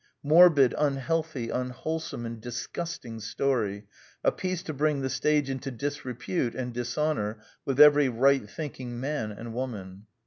" Morbid, unhealthy, unwholesome and disgusting story. ... A piece to bring the stage into disrepute and dishonour with every right thinking man and woman."